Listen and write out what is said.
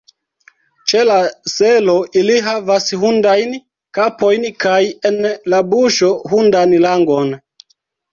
Ĉe la selo ili havas hundajn kapojn kaj en la buŝo hundan langon!